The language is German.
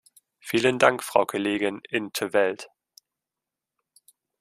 Vielen Dank, Frau Kollegin in 't Veld.